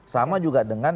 sama juga dengan